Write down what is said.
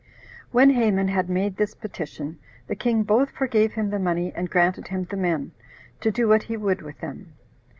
6. When Haman had made this petition, the king both forgave him the money, and granted him the men, to do what he would with them.